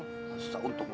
masa untung lah